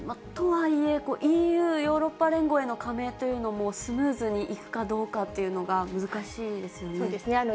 とはいえ、ＥＵ・ヨーロッパ連合への加盟というのも、スムーズにいくかどうかというのが難しいんですよね？